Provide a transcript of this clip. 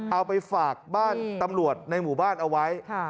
เอาไปฝากบ้านตำรวจในหมู่บ้านเอาไว้